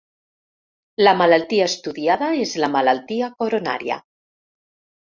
La malaltia estudiada és la malaltia coronària.